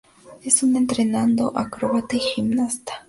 Es un entrenado acróbata y gimnasta.